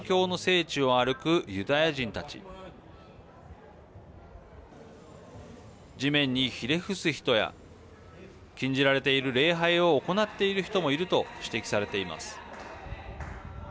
地面にひれ伏す人や禁じられている礼拝を行っている人もいると指摘されています。